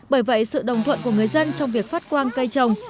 bởi vậy sự đồng thuận của người dân trong việc phát quang cây trồng